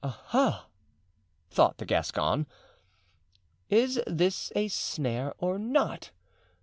"Aha!" thought the Gascon; "is this a snare or not?